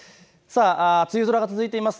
梅雨空が続いています。